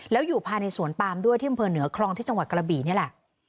แล้วอยู่ผ่านไอศวนปาร์มด้วยที่บเหนือคลองที่จังหวัดกรบีนี่แหละ